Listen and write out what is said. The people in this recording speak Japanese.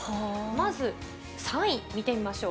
まず、３位、見てみましょう。